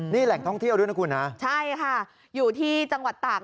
นี่แหล่งท่องเที่ยวด้วยนะคุณนะใช่ค่ะอยู่ที่จังหวัดตาก